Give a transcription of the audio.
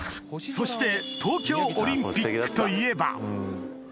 そして東京オリンピックといえば